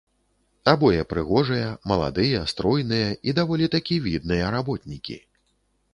Абое прыгожыя, маладыя, стройныя, і даволі такі відныя работнікі.